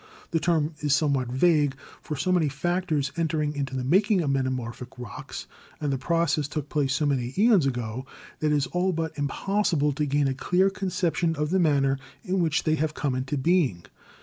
The term is somewhat vague, for so many factors enter into the making of metamorphic rocks, and the process took place so many aeons ago, that it is all but impossible to gain a clear conception of the manner in which they have come into being.